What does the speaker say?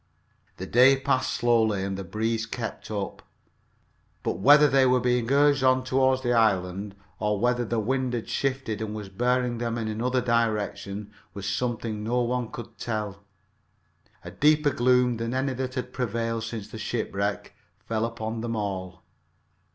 The day passed slowly, and the breeze kept up. But whether they were being urged on toward the island, or whether the wind had shifted and was bearing them in another direction, was something no one could tell. A deeper gloom than any that had prevailed since the shipwreck fell upon them all.